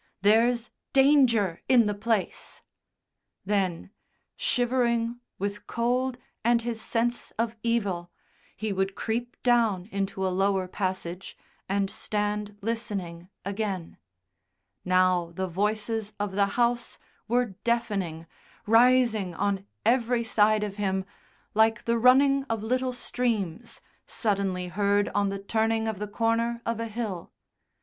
there's danger in the place!" Then, shivering with cold and his sense of evil, he would creep down into a lower passage and stand listening again; now the voices of the house were deafening, rising on every side of him, like the running of little streams suddenly heard on the turning of the corner of a hill.